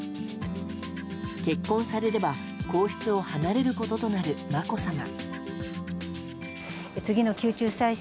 結婚されれば皇室を離れることとなるまこさま。